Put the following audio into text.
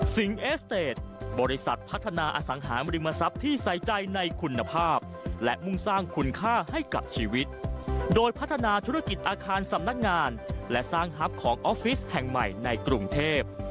เอสเตจบริษัทพัฒนาอสังหารริมทรัพย์ที่ใส่ใจในคุณภาพและมุ่งสร้างคุณค่าให้กับชีวิตโดยพัฒนาธุรกิจอาคารสำนักงานและสร้างฮับของออฟฟิศแห่งใหม่ในกรุงเทพ